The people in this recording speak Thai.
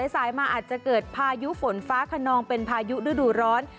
สายมาอาจจะเกิดพายุฝนฟ้าขนองเป็นพายุฤดูร้อน